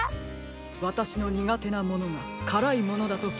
わたしのにがてなものがからいものだときいたときに。